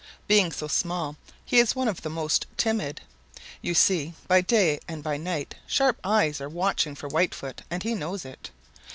Being so small he is one of the most timid. You see, by day and by night sharp eyes are watching for Whitefoot and he knows it.